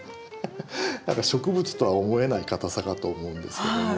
何か植物とは思えないかたさかと思うんですけども。